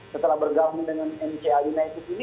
setelah bergabung dengan mca united ini